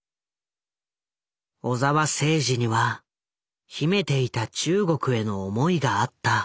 小澤征爾には秘めていた中国への思いがあった。